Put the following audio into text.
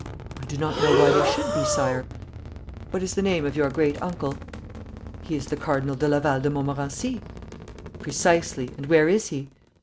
'I do not know why they should be, Sire.' 'What is the name of your great uncle?' 'He is the Cardinal de Laval de Montmorency.' 'Precisely. And where is he?'